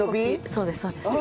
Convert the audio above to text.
そうですそうです。